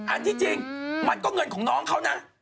อันที่จริงมันก็เงินของน้องเขานะ